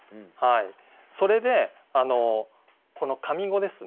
それでこの上五ですね